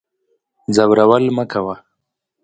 ځورول مکوه